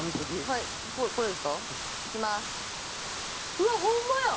うわっホンマや！